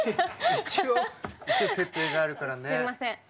一応、設定があるからね。